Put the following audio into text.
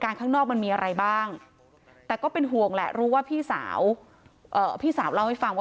รับอาจเจ็บที่ศีรษะ